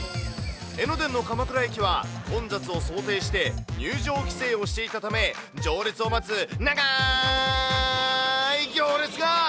江ノ電の鎌倉駅は、混雑を想定して、入場規制をしていたため、行列を待つ長ーい行列が。